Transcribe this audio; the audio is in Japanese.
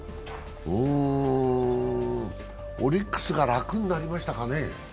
オリックスが楽になりましたかね？